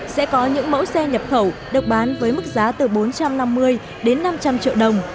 sẽ có những mẫu xe nhập khẩu được bán với mức giá từ bốn trăm năm mươi đến năm trăm linh triệu đồng